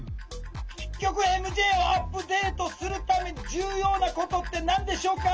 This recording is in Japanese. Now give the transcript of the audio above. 結局ＭＪをアップデートするために重要なことって何でしょうか？